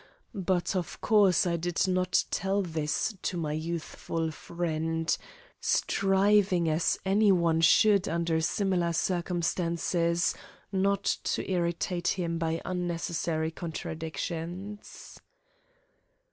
But, of course, I did not tell this to my youthful friend, striving, as any one should under similar circumstances, not to irritate him by unnecessary contradictions.